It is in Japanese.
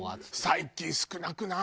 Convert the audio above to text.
最近少なくない？